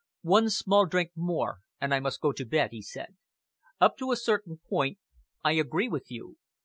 "One small drink more, and I must go to bed," he said. "Up to a certain point, I agree with you.